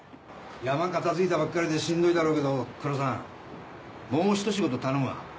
ヤマが片づいたばかりでしんどいだろうけど黒さんもうひと仕事頼むわ。